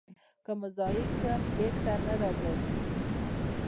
که مو ضایع کړ، بېرته نه راګرځي.